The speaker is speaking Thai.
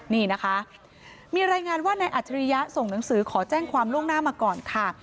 นี่นะคะมีรายงานว่านายอัจฉริยะส่งหนังสือขอแจ้งความล่วงหน้ามาก่อนค่ะ